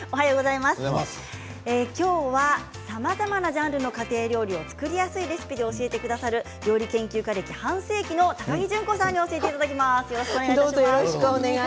きょうは、さまざまなジャンルの家庭料理を作りやすいレシピで教えてくださる料理研究家歴半世紀の高城順子さんに教えていただきます。